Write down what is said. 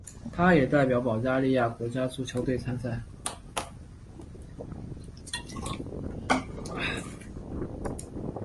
他也代表保加利亚国家足球队参赛。